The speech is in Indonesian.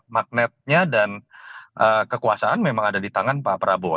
magnetnya dan kekuasaan memang ada di tangan pak prabowo